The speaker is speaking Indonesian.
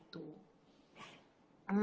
pengen jual itu